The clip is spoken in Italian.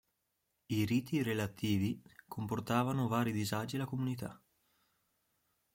I riti relativi comportavano vari disagi alla comunità.